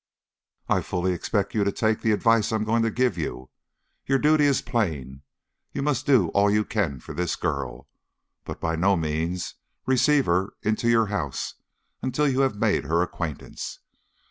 "I fully expect you to take the advice I am going to give you. Your duty is plain; you must do all you can for this girl. But by no means receive her into your house until you have made her acquaintance.